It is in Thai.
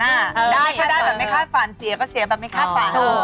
ได้ก็ได้แบบไม่คาดฝันเสียก็เสียแบบไม่คาดฝัน